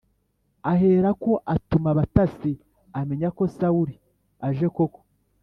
aherako atuma abatasi, amenya ko Sawuli aje koko.